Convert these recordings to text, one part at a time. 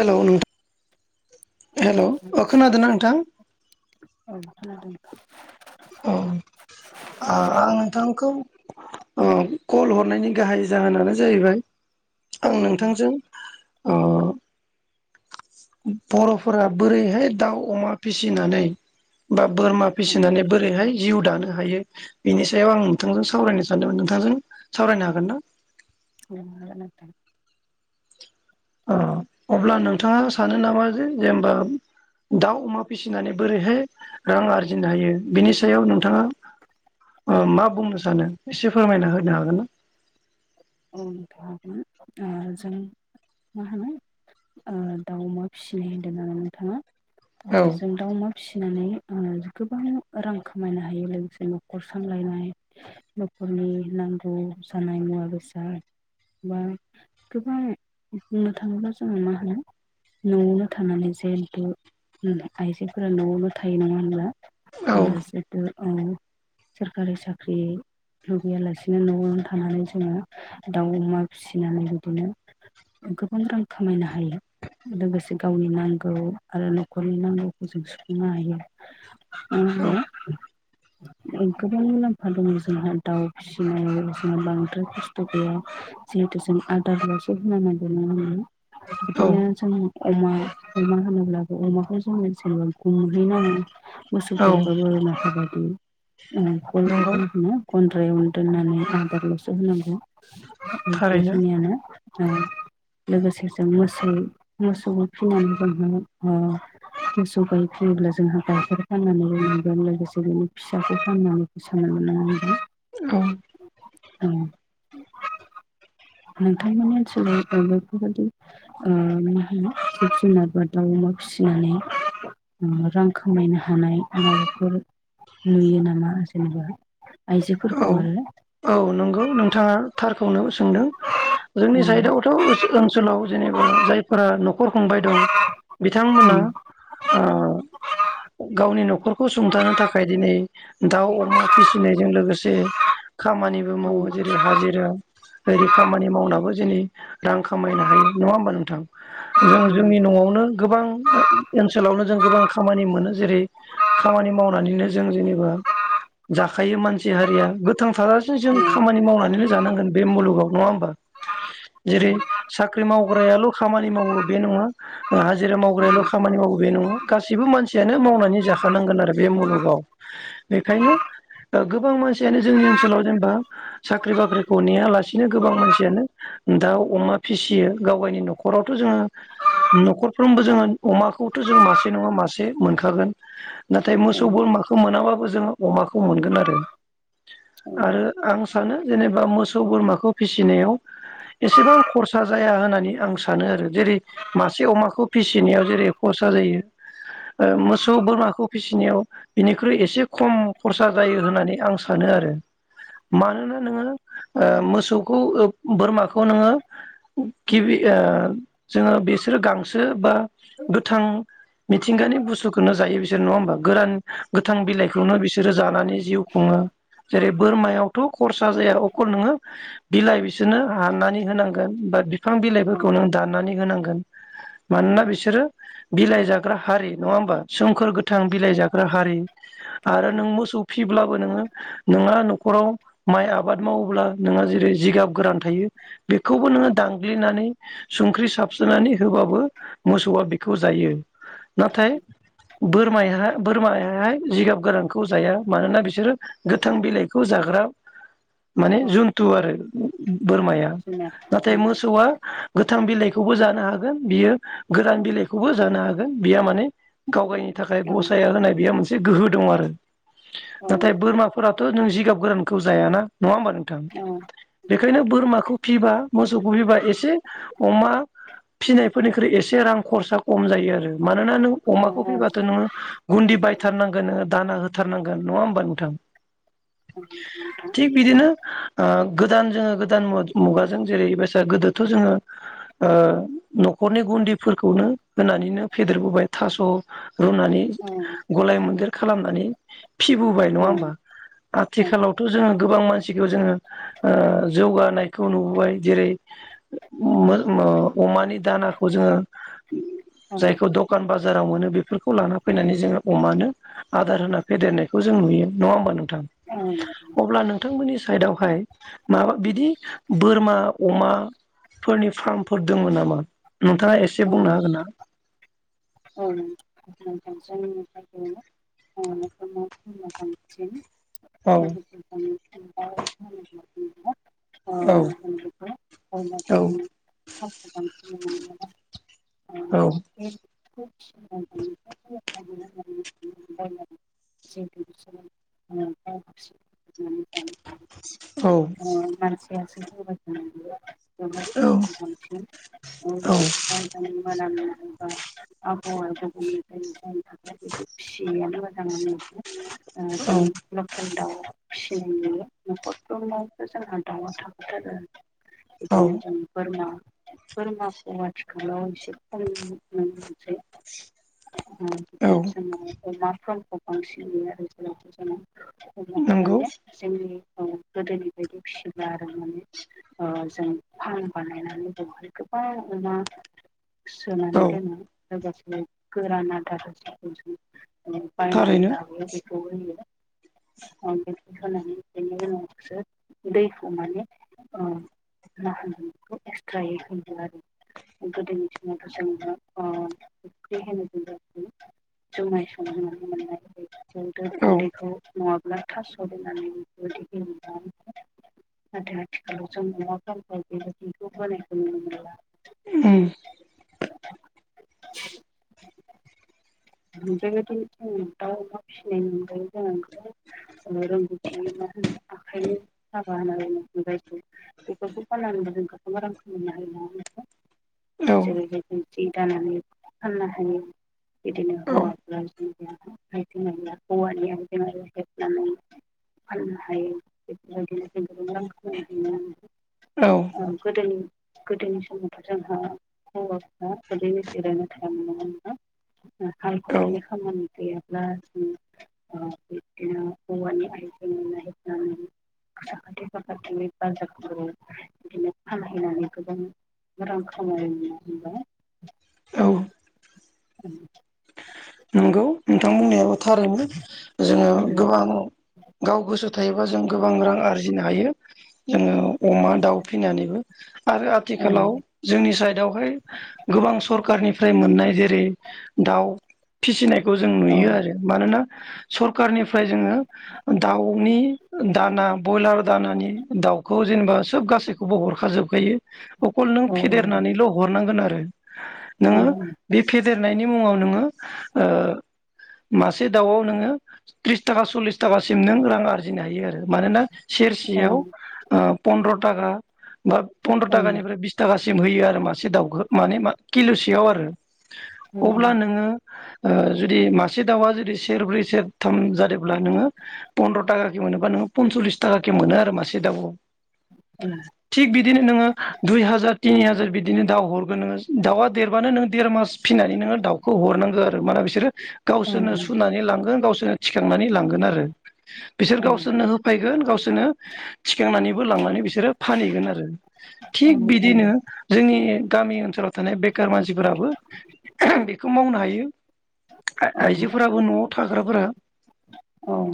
हेल' औ नोंथां हेलौ नोंथां औ खोनादोना नोंथां? औ [unintelligible] [unintelligible] नोंथांखौ कल हरनायनि गाहाय जाहोनानो जाहैबाय आं औ नोंथांजों ओ बर'फोरा बोरैहाय दाउ अमा फिसिनानै बा बोरमा फिसिनानै बोरैहाय जिउ दानो हायो बिनि सायाव आं नोंथांजों सावरायनो सानदोंमोन नोंथांजों सावरायनो हागोन ना? [inaudible] ओ अब्ला नोंथाङा सानो नामा जे जेनबा दाउ अमा फिसिनानै बोरैहाय रां आरजिनो हायो बिनि सायाव नोंथाङा मा बुंनो सानो एसे फोरमायना होनो हागोन ना? [unintelligible] जों मा होनो दाउ अमा फिसिनाय होनदों होननानै नोंथाङा? ना जों औ दाउ अमा फिसिनानै ओ गोबां रां खामायनो हायो लोगोसे न'खर सामलायनाय न'खरनि नांगौ जानाय मुवा बेसा बा गोबां बुंनो थाङोब्ला जोङो मा होनो न'आवनो थानानै जिहेथु आइजोफोरा न'आवनो थायो नङा होनब्ला? [unintelligible] औ औ सोरखारि साख्रि लुबैयालासिनो न'आवनो थानानै जोङो दाउ-अमा फिसिनानै बिदिनो गोबां रां खामायनो हायो लोगोसे गावनि नांगौ आरो न'खरनि नांगौखौ जों सुफुंनो हायो औ गोबां मुलाम्फा दङ जोंहा दाउ फिसिनायाव जोंहा बांद्राय [unintelligible] बिदिनो औ जोंङो अमा अमा होनोब्लाबो अमाखौ जोङो जेनेबा औ [unintelligible] [unintelligible] नंगौ [unintelligible] गन्द्रायावनो दोननानै आदार लसो होनांगौ। [inaudible] [unintelligible] थारैनो बेखिनियानो। ओ लोगोसे जों मोसौ मोसौ फिनानै जोंहा ओ मोसौ गाय फियोब्ला जोंहा गाइखेर फाननानै लोंनांगोन लोगोसे बिनि फिसाखौ फाननानै [unintelligible] औ। औ। नोंथांमोननि ओनसोलाव बेफोरबादि ओ मा होनो जिब जुनारफोर दाउ अमा फिसिनानै रां खामायनो हानाय माबाफोर नुयो नामा जेनेबा औ आइजोफोरखौ आरो औ नंगौ नोंथाङा थारखौनो सो सोंदों जोंनि साइडआवथ' ओनसोलाव जेनेबा जायफोरा नखर खुंबाय दों बिथांमोना ओ गावनि नख खौ सुंथानो थाखाय दिनै दाउ अमा फिसिनायजों लोगोसे जेबो मावो जेरै हाजिरा ओरै खामानि मावना हरैजायनि रां खामायनो हायो नङा होमबा नोंथां जों औ जोंनि न'आवनो गोबां ओनसोलावनो जों गोबां खामानि मोनो जेरै खामानि मावनानैनो जों जेनेबा जाखायो मानसि हारिया थांना थाजासे जों खामानि मावनानैनो जानांगोन बे मुलुगाव। नङा होमबा औ जेरै साख्रि मावग्रायाल' खामानि मावो बे नङा हाजिरा मावग्रायाल' खामानि मावो बे नङा गासैबो मानसियानो मावनानै जाखानांगोन आरो बे मुलुगाव बेखायनो गोबां मानसियानो जोंनि ओन ओनसोलाव जेनेबा साख्रि बाख्रिखौ नेयालासिनो गोबां मानसियानो दाउ अमा फिसियो गाव गावगायनि न'खरावथ जोङो नखरफ्रोमबो जोङो अमाखौथ जों मासे नङा मासे मोनखागोन। नाथाय औ मोसौ बोरमाखौ मोनाबाबो खौ जों अमाखौ मोनगोन आरो। आरो आं सानो जेनेबा मोसौ बोरमाखौ फिसिनायाव एसेबां खरसा जाया होनना नै आं सानो आरो जेरै मासे अमाखौ फिसिनायाव जेरै खरसा जायो मोसौ बोरमाखौ फिसिनायाव बिनिख्रुइ एसे खम खरसा जायो होननानै आं सानो आरो। मानोना नोङो ओ मोसौखौ ओ बोरमाखौ नोङो गिबि ओ जोङो बेसोरो गांसो बा गोथां मिथिंगानि बुस्थुखौनो जायो बिसोरो नङा होमबा गोरान गोथां बिलाइखौनो बिसोरो जानानै जिउ खुङो। जेरै बोरमायावथ' खरसा जाया अखल नोङो बिलाइ बिसोरनो हाननानै होनांगोन बा बिफां बिलाइफोरखौ नों दाननानै होनांगोन मानोना बिसोरो बिलाइ जाग्रा हारि नङा होमबा सोमखोर गोथां बिलाइ जाग्रा हारि आरो नों मोसौ फिब्लाबो नोङो नोंहा न'खराव माइ आबाद मावोब्ला नोंहा जेरै जिगाब गोरान थायो बेखौबो नोङो दांग्लिनानै संख्रि साबस्रोनानै होबाबो मोसौआ बेखौ जायो नाथाय बोरमाया बोरमायाहाय जिगाब गोरानखौ जाया मानोना बिसोरो गोथां बिलाइखौ जाग्रा माने जुनतु आरो। उम उम बोरमाया नाथाय मोसौआ गोथ गोथां बिलाइखौबो जानो हागोन बियो गोरान बिलाइखौबो जानो हागोन बिया माने गाव गावनि थाखाय गसाया होनाय बेयो मोनसे गोहो दं आरो नाथाय बोरमाफो फोराथ' नों जिगाब गोरानखौ जाय ना नङा होमबा नोंथां बेखायनो बोरमाखौ फिबा मोसौखौ फिबा एसे अमा फिनायफोरनिख्रुइ एसे रां खरसा खम जायो आरो मानोना नों अमाखौ फैबाथ' नोङो गुन्दि बायथारनांगोन नोङो दाना होथारनांगोन नङा होमबा नोंथां? थिग बिदिनो ओ गोदान जोङो गोदान मु-मुगाजों जेरै बयसा गोदोथ जोङो न'खरनि गुन्दिफोरखौनो होनानैनो फेदेरबोबाय थास' रुनानै गलाय मोनदेर खालामनानै फिबोबाय नङा होमबा? आथिखालावथ' जोङो गोबां मानसिखौ जोङो जौगानायखौ नुबोबाय जेरै अमानि दानाखौ जोङो जायखौ दखान बाजाराव मोनो बेफोरखौ लाना फैनानै जोङो अमानो आदार होना फेदेरनायखौ जों नुयो नङा होमबा नों अब्ला नोंथांमोननि साइदआवहाय माबा बिदि बोरमा अमाफोरनि फार्मफोर दङ नामा नोंथाङा एसे बुंनो हागोन ना? औ जोंनि जायगायाव औ औ औ औ औ ओ मानसियासो होबाय थानाय औ ओमफ्राय औ बा [unintelligible] सिनायानोमोन। [unintelligible] फिसि न'खरफोराबो जोंहा दाउआ थाखाथारो। औ बिदिनो जों बोरमा बोरमाफोरा आथिखालाव एसे खम नुनो मोनसै। [unintelligible] औ बांसिन नुयो आरो जेराव जोंङो नंगौ माने जोंनि औ गोदोनि बायदि फिसिब्ला आरो माने जों फार्म बानायनानै बेवहाय गोबां अमा सोनानै औ दोनो। लोगोसे गोरान आदारसिखौ जों बायननानै थारैनो लाबो बे [inaudible] होनानै बेनि उनावसो दैखौ माने होन एक्सट्रायै होयो आरो गोदोनि समावथ' अफ्रि होनो जों जायखौ जुमाय संयोबानो मोननाय जायो। ओमफ्राय औ गुन्दैखौ नङाबा थास' होननानै बेफोरबायदि गेले नाथाय आथिखालाव जों अवाफोरफोरखौ बेबायदिखौ बानायखौ नुनो मोनला। ओम ओमफ्रायबायदि जों दा अमा फिसिनाय मोनदों जों रोंगौथि मा होनो आखाइनि हाबा होननानै जायखौ बेफोरखौ फाननानैबो जों गोबां रां खामायनो हायो नङा होनबा। औ जेरैहाय जों हि दानानै फान्नो हायो। बिदिनो हौवाफ्रा [inaudible] [inaudible] औ औ गोदोनि गोदोनि समावथ' जोंहा हौवाफ्रा ओरैनो जिरायना थायोमोन नङा होनबा। हाल खदालनि औ खामानि [inaudible] बिदिनो औवानि आयजें बानायनानै साखाथि फाखाथिनि बानजारफोरबो बिदिनो फानहैनानै गोबां रां खामाय मोनबाय। औ [inaudible] नंगौ नोंथां बुंनायाबो थारैनो जोङो गोबां गाव गोसो थायोबा जों गोबां रां आरजिनो हायो जोङो अमा दाउ फिनानैबो आरो औ आथिखालाव जोंनि साइडआवहाय गोबां सरखारनिफ्राय मोननाय जेरै दाउ फिसिनाय खौ जों औ नुयो आरो मानोना सरखारानिफ्राय जोङो दाउनि दाना बयलार दानानि दाउखौ जेनेबा सोब गासैखौबो हरखाजोबखायो। अकल नों फेदेरनानैल' हरनांगोन आरो [inaudible] औ नोङो बे फे देरनायनि मुङाव नोङो ओ मा से दाउआव नोङो त्रिस थाखा सल्लिस थाखासिम नों रां आरजिनो हायो आरो मानोना सेरसेयाव ओह पन्द्र थागा बा पन्द्र' थाखानिफ्राय बिस थाखा सिम होयो आरो मा से दावखौ माने किल' बेयाव आरो। अब्ला नोङो ओह जुदि मासे दाउआ जुदि सेरब्रै सेरथाम जादोंब्ला नोङो फन्द्र' थाखााखि मोनोबा नोङो पनस'लिस थाखाखि मोनो आरो मासे दाउआव। थिग बिदिनो नोङो दुइ हाजार तिनि हाजार बिदिनो दाउ हरगोन नोङो दाउआ देरबानो नों देर मास फिनानै नोङो दाउखौ हरनां माने बिसोरो गावसोरनो सुनानै लांगोन गावसोर जोङो थिखांनानै लांगोन आरो। बिसोर गावसोरनो होफैगोन गावसोरनो थिखांनानैबो लांनानै बिसोरो फानहैगोन आरो थिग औ औ बिदिनो जोंनि गामि ओनसोलाव थानाय बेखार मानसिफोराबो बेखौ मावनो हायो। आइ औ आइजोफोराबो न'आव था ग्राफोरा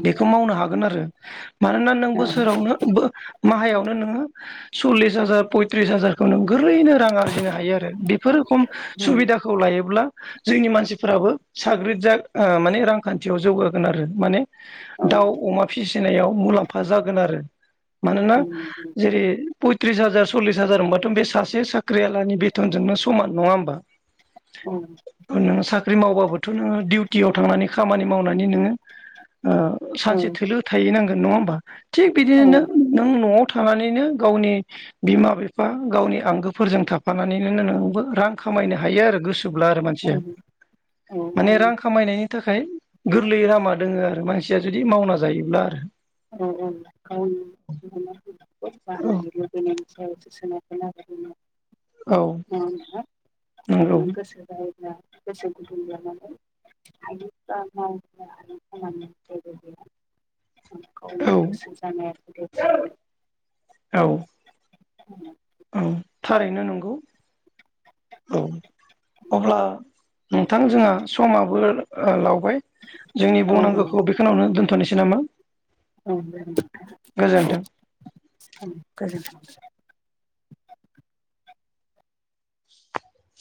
बेखौ मावनो हागोन आरो। मानोना नों बोसोरावनो बो माहायावनो नोङो सल्लिस हाजार पयथ्रिस हाजार खौ नों गोरलैनो रां आरजिनो हायो आरो बेफोर खम सुबिदाखौ लायोब्ला जोंनि मानसि फोराबो साग्रिद जा ओ माने रांखान्थियाव जौगागोन आरो माने दाउ, अमा फि नायाव मुलाम्फा जागोन आरो। मानोना जेरै पय त्रिस हाजार सल्लिस हाजार मोनबाथ' बे सासे साख्रिआवलानि बेथनजोंनो समान नङा होमबा? औ। नोङो साख्रि मावबाबोथ' नोङो दिडिउटियाव थांनानै खामानि मावनानै नोङो ओ सानसे थोलो थाहै नाङो नङा होनबा। थिग बिदिनो नों न'आव थानानैनो गावनि बिमा बिफा गावनि आंगोफोरजों थाफानानैनो नोंबो रां खामायनो हायो आरो गोसोब्ला आरो मानसिया। माने रां खामायनायनि थाखाय गोरलै लामा दं। आरो मानसिया जुदि मावना जायोब्ला आरो। औ औ गावनि औ बानाय लुबैनायनि सायाव [inaudible] औ औ। [inaudible] खौ गोसो जानाय औ आरो। [inaudible] औ। [inaudible] औ थारैनो नंगौ औ अब्ला नोंथां जोंहा समाबो लावबाय। जोंनि औ बुंनांगौखौ बेखिनियावनो दोन नोसै नामा। औ औ। गोजोन्थों [inaudible]